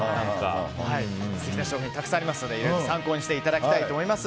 素敵な商品がたくさんありますので参考にしていただきたいと思います。